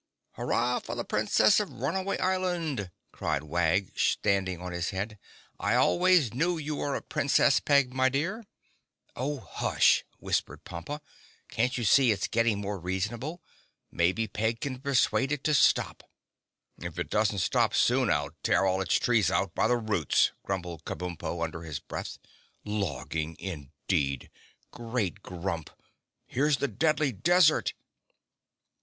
"Hurrah for the Princess of Runaway Island!" cried Wag, standing on his head. "I always knew you were a Princess, Peg my dear." "Oh, hush!" whispered Pompa. "Can't you see it's getting more reasonable? Maybe Peg can persuade it to stop." "If it doesn't stop soon I'll tear all its trees out by the roots," grumbled Kabumpo under his breath. "Logging, indeed! Great Grump! Here's the Deadly Desert!"